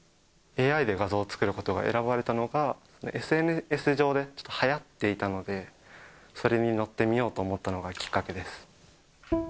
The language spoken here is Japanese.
ＡＩで画像を作られることが選ばれたのがＳＮＳ上で、ちょっとはやっていたので、それに乗ってみようと思ったのがきっかけです。